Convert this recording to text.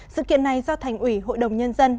sự kiện này do thành ủy hội đồng nhân dân